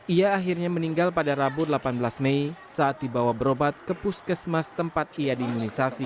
ia akhirnya meninggal pada rabu delapan belas mei saat dibawa berobat ke puskesmas tempat ia diimunisasi